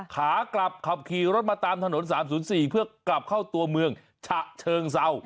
ขากลับขับขี่รถมาตามถนน๓๐๔เพื่อกลับเข้าตัวเมืองฉะเชิงเศร้า